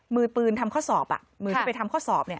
มือปืนทำข้อสอบมือที่ไปทำข้อสอบเนี่ย